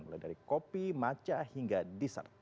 mulai dari kopi maca hingga dessert